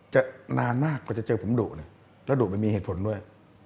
จะนานมากกว่าจะเจอผมดุเนี่ยแล้วดุมันมีเหตุผลด้วย